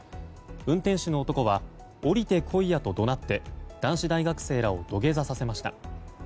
運転手の男は降りてこいやと怒鳴って男子大学生らを土下座させました。